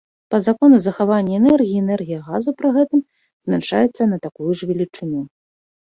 Па закону захавання энергіі, энергія газу пры гэтым змяншаецца на такую ж велічыню.